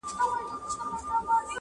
دا له سترګو فریاد ویښ غوږونه اوري,